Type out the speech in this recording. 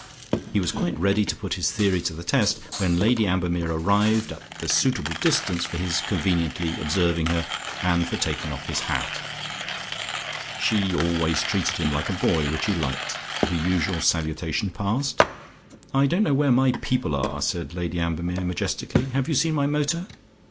He was quite ready to put his theory to the test when Lady Ambermere had arrived at the suitable distance for his conveniently observing her, and for taking off his hat. She always treated him like a boy, which he liked. The usual salutation passed. "I don't know where my people are," said Lady Ambermere majestically. "Have you seen my motor?"